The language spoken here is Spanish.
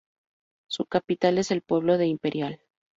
Su capital es el pueblo de Imperial.